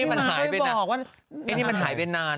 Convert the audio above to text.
อันนี้มันหายไปนาน